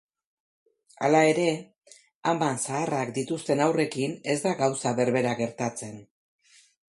Hala ere, ama zaharrak dituzten haurrekin ez da gauza berbera gertatzen.